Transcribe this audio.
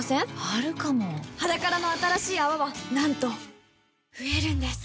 あるかも「ｈａｄａｋａｒａ」の新しい泡はなんと増えるんです